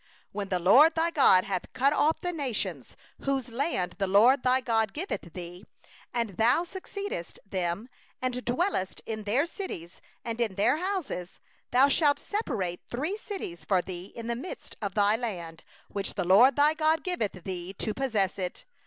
When the LORD thy God shall cut off the nations, whose land the LORD thy God giveth thee, and thou dost succeed them, and dwell in their cities, and in their houses; 2thou shalt separate three cities for thee in the midst of thy land, which the LORD thy GOD giveth thee to possess it.